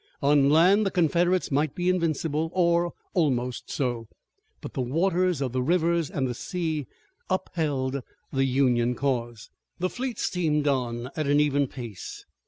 On land the Confederates might be invincible or almost so, but the waters of the rivers and the sea upheld the Union cause. The fleet steamed on at an even pace.